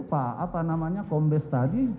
pak apa namanya kombes tadi